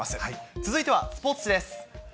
続いてはスポーツ紙です。